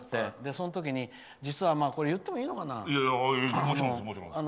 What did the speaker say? その時に言ってもいいのかな？